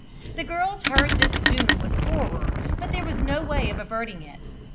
The girls heard this doom with horror, but there was no way of averting it.